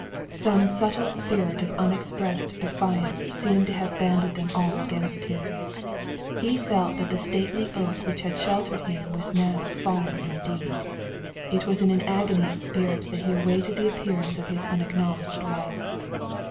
Some subtle spirit of unexpressed defiance seemed to have banded them all against him. He felt that the stately oak which had sheltered him was now fallen indeed. It was in an agony of spirit that he awaited the appearance of his unacknowledged wife.